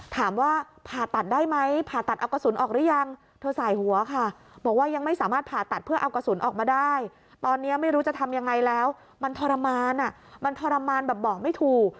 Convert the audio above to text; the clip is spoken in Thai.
ถามว่าผ่าตัดได้ไหมผ่าตัดเอากระสุนออกหรือยังเธอสายหัวค่ะบอกว่ายังไม่สามารถผ่าตัดเพื่อเอากระสุนออกมาได้ตอนนี้ไม่รู้จะทำยังไงแล้วมันทรมานอ่ะมันทรมานแบบบอกไม่ถูก